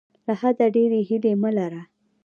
له حده ډیرې هیلې مه لره.